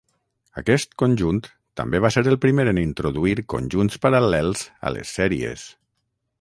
Aquest conjunt també va ser el primer en introduir "conjunts paral·lels" a les sèries.